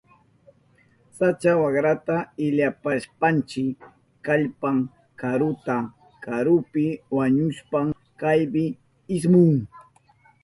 Sacha wakrata illapashpanchi kallpan karuta. Karupi wañushpan chaypi ismun.